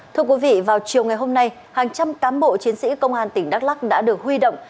thưa quý vị vào chiều ngày hôm nay hàng trăm cán bộ chiến sĩ công an tỉnh đắk lắc đã được huy động